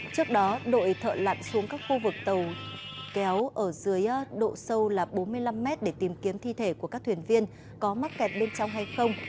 trước đó đội thợ lặn xuống các khu vực tàu kéo ở dưới độ sâu là bốn mươi năm m để tìm kiếm thi thể của các thuyền viên có mắc kẹt bên trong hay không